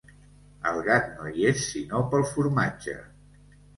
El gat no hi és sinó pel formatge.